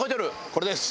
これです。